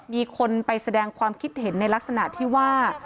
มีคนไปแสดงความคิดเห็นในลักษณะที่ว่า